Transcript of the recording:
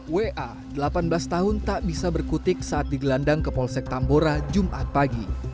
wa delapan belas tahun tak bisa berkutik saat digelandang ke polsek tambora jumat pagi